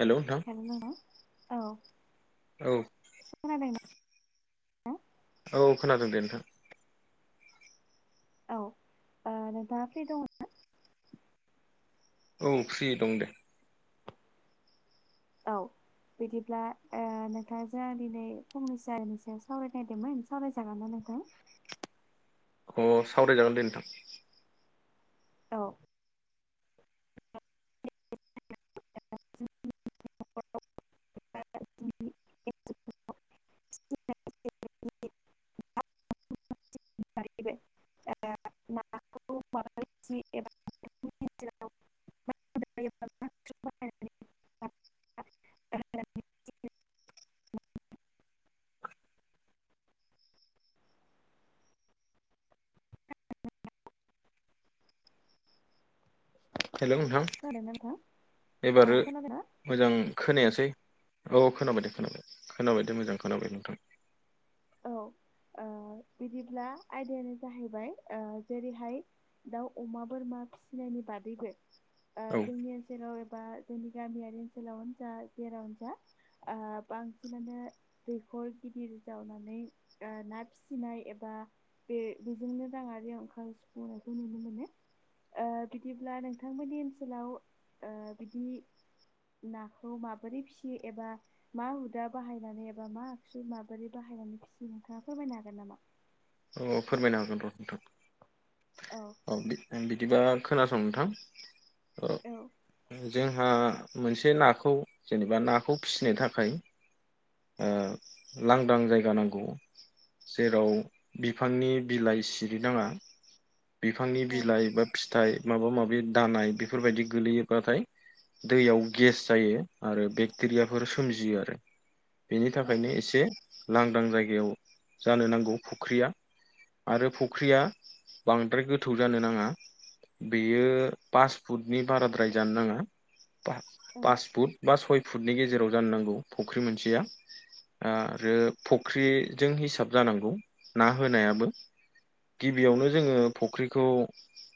हेल' नोंथां हेल'। औ औ खोनादोंना औ खोनादों दे नोंथां। औ ओ नोंथाङा फ्रि दङ ना? औ फ्रि दं दे। औ बिदिब्ला ओ नोंथां जों आं दिनै फंनैसो आरोनि सायाव सावरायनो नागिरदोंमोन सावरायजागोन ना नोंथां? [inaudible] अ सावरायजागोन दे नोंथां। औ [unintelligible] [unintelligible] [unintelligible] ना खौ माबानानै [inaudible] माबायोबा ना सु बाहायनानै [inaudible] ओ! हेल' नोंथां। नोंथां औ एबारो खोनादोंना मोजां खोनायासै। औ खोनाबाय दे खोनाबाय खोनाबाय दे मोजां खोनाबाय नोंथां। औ ओ बिदिब्ला आयदायानो जाहैबाय ओ जेरैहाय दाउ अमा बोरमा फिसिनायनि बादैबो, ओ औ जोंनि ओनसोलाव ए बा जोंनि गामियारि ओनसोलाव जा जेरावनो जा आ बांसिनानो दैखर गिदिर जावनानै ना फिसिनाय एबा बे बेजोंनो राङारियाव ओंखार सुफुंनायखौ नुनो मोनो। ओ बिदिब्ला नोंथांमोननि ओनसोलाव ओ बिदि नाखौ माबोरै फिसियो एबा मा हुदा बाहायनानै एबा मा आगसु माबोरै बाहायनानै नोंथाङा फोरमायनो हागोन नामा? औ फोरमायनो हागोन र' नोंथां औ [unintelligible] बिदिबा खोनासं नोंथां औ जोंहा मोनसे नाखौ जेनेबा नाखौ फिसिनो थाखाय ओ लांदां जायगा नांगौ जेराव बिफांनि बिलाइ सिरिनाङा बिफांनि औ बिलाइ बा फिथाइ माबा माबि दानाय बेफोरबायदि गोलैयोबाथाय दैयाव गेस जायो आरो बेक्टेरियाफोर सोमजियो आरो। बेनि औ थाखायनो एसे लांदां जायगायाव जानो नांगौ फुख्रिया। आरो फख्रिया बांद्राय गोथौ जानो नाङा। बेयो पास फुटनि बाराद्राय जानो नाङा। पा औ पास फुट बा सय फुटनि गेजेराव जानो नांगौ फख्रि मोनसेया। आरो फुख्रिजों हिसाब जानांगौ ना होनायाबो। गिबियावनो जोंङो फख्रिखौ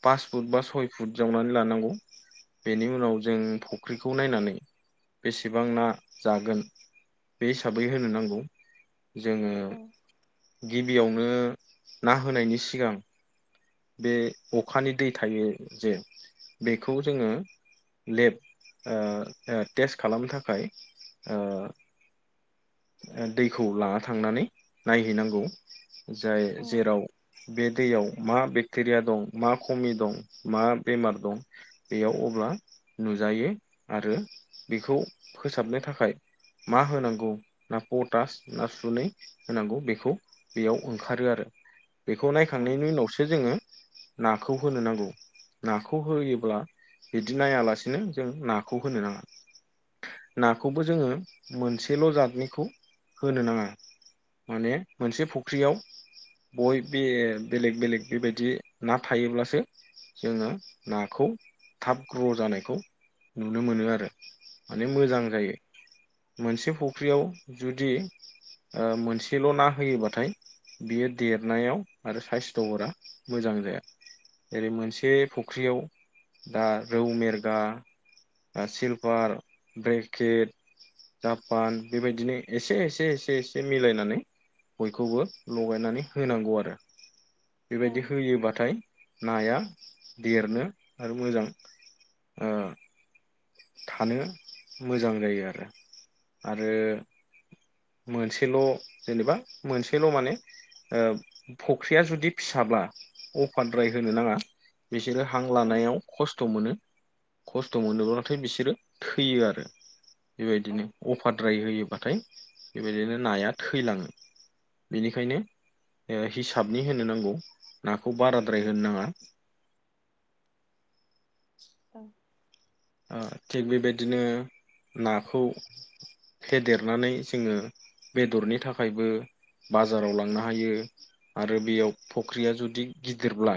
पास फुट बा सय फुट जावनानै लानांगौ। बेनि उनाव जों फख्रिखौ नायनानै बेसेबां ना जागोन बे हिसाबै होनो नांगौ। जोङो औ गिबियावनो ना होनायनि सिगां बे अखानि दै थायो जे बेखौ जोंङो लेब ओ ओ टेस्ट खालामनो थाखाय ओ ओ दैखौ लाना थांनानै नायहैनांगौ। जाय औ जेराव बे दैयाव मा बे बेक्टेरिया दं मा खमि दं मा बेमार दं बेयाव अब्ला नुजायो। आरो बेखौ फोसाबनो थाखाय मा होनांगौ ना पटास ना सुनै होनांगौ बेखौ बेयाव ओंखारो आरो। [inaudible] बेखौ औ नायखांनायनि उनावसो जोङो नाखौ होनो नांगौ। नाखौ होयोब्ला बिदि नायालासिनो जों नाखौ होनो नाङा। नाखौबो जोङो मोनसेल' जादनिखौ होनो नाङा। माने मोनसे फख्रियाव बय बे बेलेग बेलेग बेबायदि ना थायोब्लासो जोङो नाखौ थाब ग्र' जानायखौ नुनो मोनो आरो माने मोजां जायो। मोनसे फख्रियाव जुदि ओ मोनसेल' ना होयोबाथाय बियो देरनायाव आरो साइस्थ'फोरा मोजां जाया जेरै मोनसे फख्रियाव दा रौ मेरगा आह सिलफार ब्रेकेट जापान बेबायदिनो एसे एसे एसे एसे मिलायनानै बयखौबो लगायनानै होनांगौ आरो बेबायदि फैयोबाथाय नाया देरनो आरो मोजां ओ थानो मोजां जायो आरो आरो मोनसेल' जेनेबा मोनसेल' माने ओ फख्रिया जुदि फिसाब्ला अफारद्राय होनो नाङा बिस रो हां औ लानायाव खस्थ' मोनो खस्थ' मोनोबा थाय बिसोरो थैयो आरो औ बेबायदिनो अफारद्राय होयो बाथाय बेबायदिनो नाया थैलाङो बेनिखायनो ओ हिसाबनि होनो नांगौ नाखौ बाराद्राय होनो नाङा। [inaudible] [inaudible] ओ थिग बेबादिनो नाखौ फेदेरनानै जोङो बेदरनि थाखायबो बाजाराव लांनो हायो आरो बेयाव फख्रिया जुदि गिदिरब्ला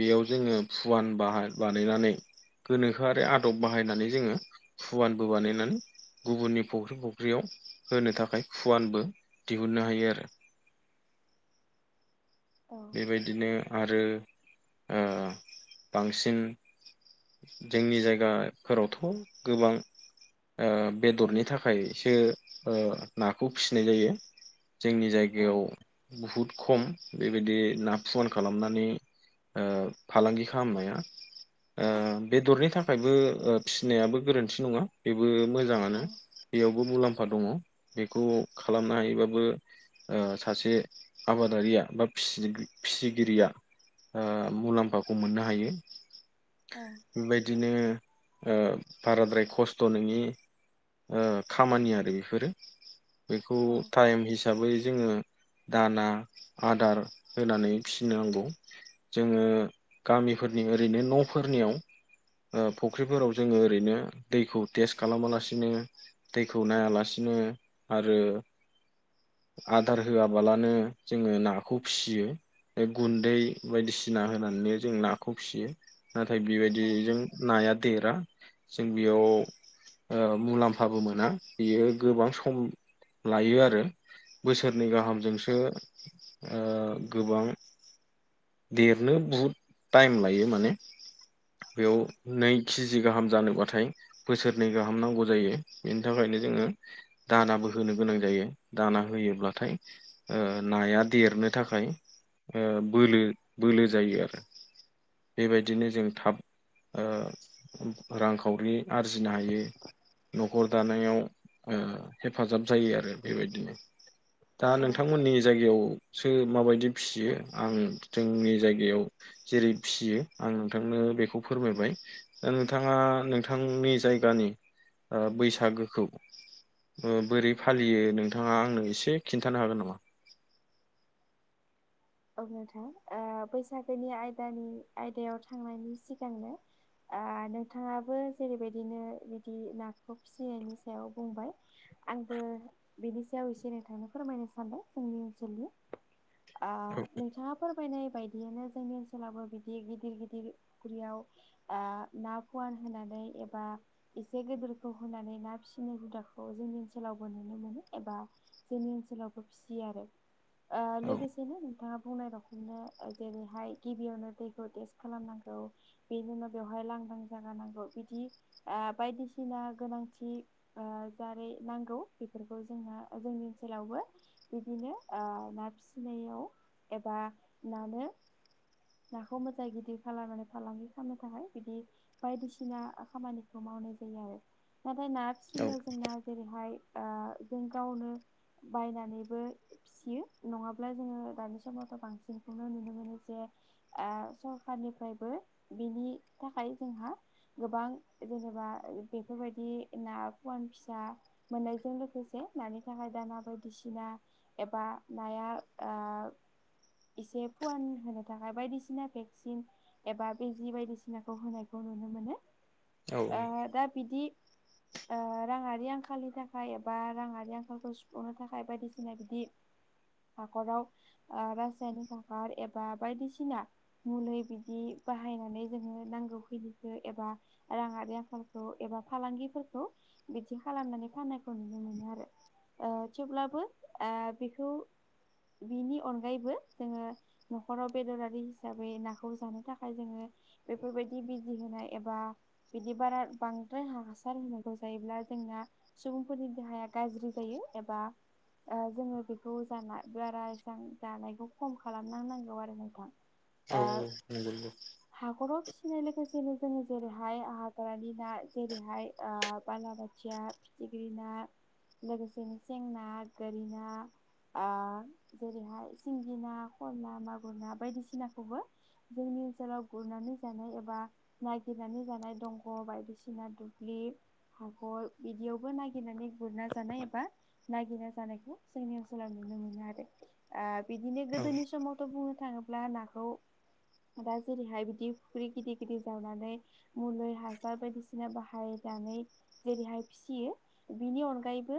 बेयाव जोङो फुवान बाहाय बानायनानै गोनो खोआरि आदब बाहायनानै जोङो फुवानबो बानायनानै गुबुननि फख्रि फख्रियाव होनो थाखाय फुवानबो दिहुननो हायो आरो। बेबायदिनो आरो ओ बांसिन जोंनि जायगाफोरावथ' गोबां ओ बेदरनि थाखायसो ओ नाखौ फिसिनाय जायो। जोंनि जायगायाव बुहुद खम। बेबायदि ना फुवान खालामनानै ओ फालांगि खालामनाया। बेदरनि थाखायबो फिसिनायाबो गोरोन्थि नङा बेबो मोजाङानो बेयावबो मुलाम्फा दङ बेखौ खालामनो हायोबाबो सासे आबादारिया बा फिसिगिरिया मुलाम्फाखौ मोननो हायो। बेबायदिनो बाराद्राय खस्थ' नोंनि खामानि आरो बेफोरो। बेखौ टाइम हिसाबै जोङो दाना आदार होनानै फिनांगौ जोङो गामिफोरनि ओरैनो न'फोरनियाव। फुख्रिफोराव जोङो ओरैनो दैखौ टेस्ट खालामालासिनो दैखौ नायालासिनो नो आरो [inaudible] आदार होआबालानो जोङो नाखौ फिसियो बे गुन्दै बायदिसिना होनानै जों नाखौ फिसियो। नाथाय बेबायदिजों नाया देरा जों बेयाव मुलाम्फाबो मोना बियो गोबां सम लायो आरो। बोसोरनै गाहामजोंसो गोबां देरनो बुहुद टाइम लायो माने बेयाव नै केजि गाहाम जानोबाथाय बोसोरनै गाहाम नांगौ जायो बेनि थाखायनो जोङो दानाबो होनो गोनां दाना होयोब्लाथाय नाया देरनो थाखाय बोलो बोलो जायो आरो। बेबायदिनो जों थाब ओ रांखावरि आरजिनो हायो। न'खर दानायाव हेफाजाब जायो आरो बेबायदिनो। दा नोंथांमोननि जायगायाव माबायदि फिसियो आं जोंनि जायगायाव जेरै फियो आं नोंथांनो बेखौ फोरमायबाय दा नोंथाङा नोंथांनि जायगानि बैसागोखौ। बोरै फालियो नोंथाङा आंनो एसे खिन्थानो हागोन नामा? औ नोंथां बैसागोनि आयदानि आयदायाव थांनायनि सिगांनो नोंथाङाबो जेरैबायदिनो बिदि नाखौ फिसिनायनि सायाव बुंबाय। आंबो बिनि सायाव एसे नोंथांनो फोरमायनो सानदों जोंनि ओनसोलनि। औ ओं। नोंथां फोरमायनाय बायदियैनो जोंनि ओनसोलावबो बिदि गिदिर गिदिर फुख्रियाव ना फुवान होनानै एबा एसे गिदोरखौ होनानै ना फिसिनाय हुदाखौ जोंनि ओनसोलावबो एबा जोंनि ओनसोलावबो फिसियो आरो औ लोगोसेनो नोंथाङा रखनो जेरैहाय गिबियावनो दैखौ टेस्ट खालामनांगौ बेनि उनाव बेवहाय जायगा नांगौ बिदि बायदिसिना गोनांथि जारै नांगौ। बेफोरखौ जोंना जोंनि ओनसोलावबो बिदिनो ना फिसिनायाव एबा मानो नाखौ मोजां गिदिर खालामलानानै फालांगि खालामनो थाखाय बिदि बायदिसिना खामानिखौ मावो मावनाय जायो आरो नाथाय ना औ फिसिनायाव जोंना जेरैहाय जों गावनो बायनानैबो फियो नङाब्ला जोङो दानि समाव' बांसिन नुनो मोनो जे सरखारनिफ्रायबो बिनि थाखाय जोंहा गोबां जेनेबा बेफोर बायदि ना फुवान फिसा मोननायजों लोगोसे नानि थाखाय दाना बायदिसिना एबा नाया एसे फुवान होनो थाखाय बायदिसिना भेक्सिन एबा बिजि बायदिसिनाखौ होनायखौ नुनो मोनो। औ दा बिदि। राङारि आंखालनि थाखाय एबा राङारि आंखालखौ सुफुंनो थाखाय बायदिसिना बिदि हाखराव ओ रासायनिक हासार एबा बायदिसिना मुलै बिदि बाहायनानै जोङो नांगौखिनिखौ एबा राङारि आखालखौ एबा फालांगिफोरखौ बिदि खालामनानै नानै नुनो मोनो आरो ओ थेवब्लाबो ओ बेखौ बेनि अनगायैबो जोङो न'खराव बेदरारि हिसाबै नाखौ जानो थाखाय जोङो बेफोरबाय बिदि बिजि होनाय एबा बिदि बारा बांद्राय हासार होनांगौ जायोब्ला जोंना सुबुंफोरनि देहाया गाज्रि जायो एबा ओ जोङो बेखौ जाना बारा एसां जानायखौ खम खालामना होनांगौ आरो नोंथां औ ओ नंगौ नंगौ हाखराव फि फिनाय लोगोसेनो जोङो जेरैहाय हाग्रानि ना जेरैहाय ओ बालाबोथिया फिथि ग्रि ना लोगोसेनो सेंना गोरिना ओ जेरैहाय सिंगिना ना खला मागुरना बायदिसिनाखौबो जोंनि ओनसोलाव गुरनानै जानाय एबा नाय नायगिरनानै जानाय दंग' बायदिसिना दुब्लि हखर बिदियावबो नागिरनानै गुरना जानाय एबा नागिरना जानायखौ जोंनि ओनसोलाव नुयो नुनो मोनो आरो खि ओ बिदिनो औ गोदोनि समावथ' बुंनो थाङोब्ला नाखौ दा जेरैहाय बिदि फुख्रि गिदिर गिदिर जावनानै मुलि हासार बायदिसिना बाहाय नानै जेरैहाय फिसियो बिनि अनगायैबो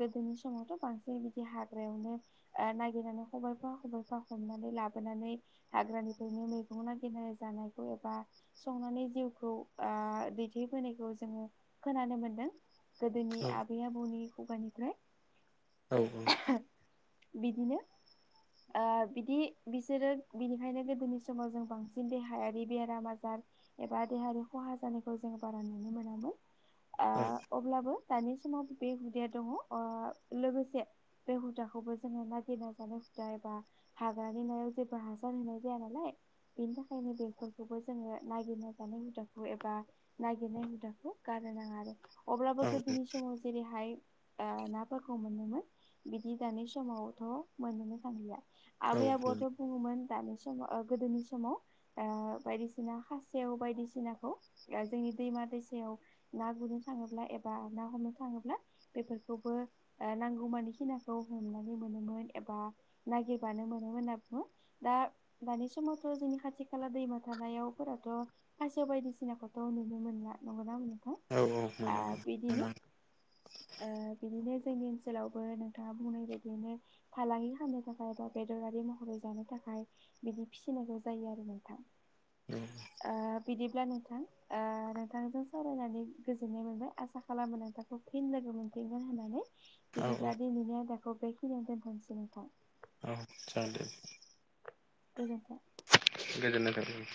गोदोनि समावथ' बांसिन बिदि हाग्रायावनो ओ नागिरनानै खबबायफा खबबायफा हमनानै लाबोनानै हाग्रानिफ्रायनो मैगं नागिरना जानायखौ एबा संनानै जिउखौ ओ दैथायबोनायखौ जोङो खोनानो मोनदों गोदोनि औ आबै आबौनि खुगानिफ्राय औ औ। बिदिनो ओ बिदि बिसोरो बिनिखायनो गोदोनि समाव जों बांसिन देहायारि बेराम आजार एबा देहायारि खहा जानायखौ जों बारा नुनो मोनामोन औ ओ अब्लाबो दानि समाव बे हुदाया दङ ओ लोगोसे बे हुदाखौबो जोङो नागिरना हुदा एबा हाग्रानि नायाव जेबो हासार होनाय जाया नालाय बेनि थाखायनो बेफोरखौबो जोङो नागिरना जानाय हुदाखौ एबा नागिरनाय हुदाखौ गारनो नाङा आरो अब्लाबो गोदोनि समाव जेरैहाय ओ नाफोरखौ मोनोमोन बिदि दानि समावथ' मोननोनो थांलिया औ आबै आबौथ' मोनो बुङोमोन दानि समाव ओ गोदोनि समाव ओ बायदिअसिना खासेव बायदिसिनाखौ जोंनि दैमा दैसायाव ना गुरनो थाङोब्ला एबा ना हमनो थाङोब्ला बेफोरखौबो नांगौ मानि खिनाखौ हमनानै मोनोमोन एबा नागिरबानो मोनोमोन होनना बुङो दा दानि समावथ' जोंनि खाथि खाला दैमा था यावफोराथ' खासेव बायदिसिनाखौथ' नुनो मोनला नंगौना नङा औ औ आ मोनो बिदिनो मोनो ओ बिदिनो जोंनि ओनसोलावबो नोंथाङा बुंनाय बायदियैनो फालांगि खालामानो थाखाय बा बेदरारि महरै जानो थाखाय बिदि फिसिनांगौ जायो आरो नोंथां। [unintelligible] मोनो ओ बिदिब्ला नोंथां ओ नोंथांजों सावरायनानै गोजोननाय मोनबाय आसा खालामो नोंथांखौ फिन लोगो मोनफिनगोन होननानै औ औ बिदिब्ला दिनैनि आयदाखौ बेखिनियावनो दोनथ'सै नोंथां? औ जागोन दे। गोजोन्थों। गोजोन्नाय थाबाय।